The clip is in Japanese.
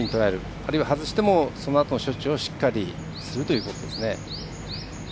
あるいは外してもそのあとの処置をしっかりするということです。